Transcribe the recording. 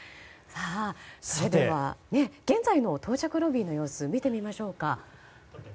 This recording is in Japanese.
それでは現在の到着ロビーの様子を見てみましょうか。